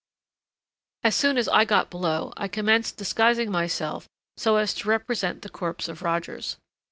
As soon as I got below I commenced disguising myself so as to represent the corpse of Rogers.